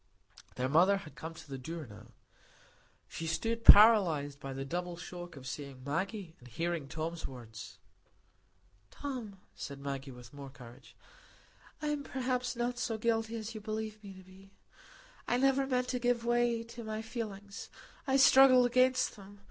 Their mother had come to the door now. She stood paralyzed by the double shock of seeing Maggie and hearing Tom's words. "Tom," said Maggie, with more courage, "I am perhaps not so guilty as you believe me to be. I never meant to give way to my feelings. I struggled against them.